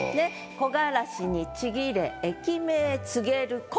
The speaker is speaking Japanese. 「木枯らしに千切れ駅名告げる声」。